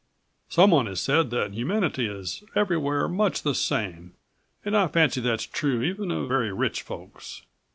Someone has said that humanity is everywhere much the same and I fancy that's true even of very rich folks.